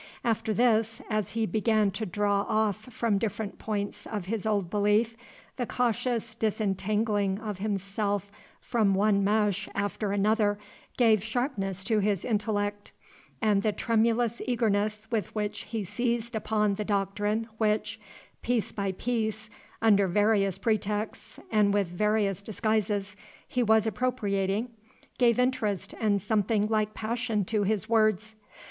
After this, as he began to draw off from different points of his old belief, the cautious disentangling of himself from one mesh after another gave sharpness to his intellect, and the tremulous eagerness with which he seized upon the doctrine which, piece by piece, under various pretexts and with various disguises, he was appropriating, gave interest and something like passion to his words.